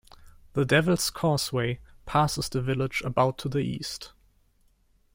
The Devil's Causeway passes the village about to the east.